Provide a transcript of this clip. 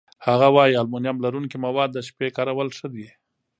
هغه وايي المونیم لرونکي مواد د شپې کارول ښه دي.